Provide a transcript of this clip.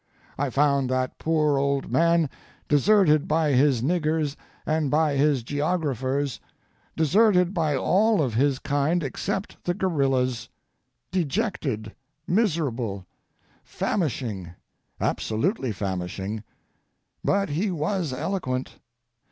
I found that poor old man deserted by his niggers and by his geographers, deserted by all of his kind except the gorillas—dejected, miserable, famishing, absolutely famishing—but he was eloquent.